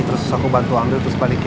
terus aku bantu ambil terus balikin